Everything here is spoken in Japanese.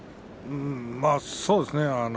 そうですね。